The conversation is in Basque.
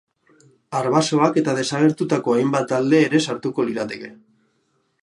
Arbasoak eta desagertutako hainbat talde ere sartuko lirateke.